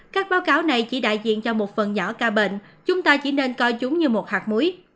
các báo cáo này chỉ đại diện cho một phần nhỏ ca bệnh chúng ta chỉ nên coi chúng như một hạt muối